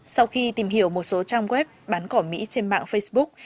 sau khi tìm hiểu một số trang web bán cỏ mỹ trên mạng facebook